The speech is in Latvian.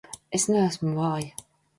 Es neesmu vāja!